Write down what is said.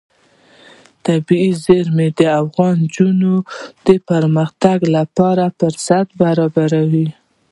طبیعي زیرمې د افغان نجونو د پرمختګ لپاره فرصتونه برابروي.